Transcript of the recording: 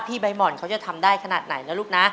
พี่ใบหมอนเค้าทำได้ขนาดไหนนะลูกนะ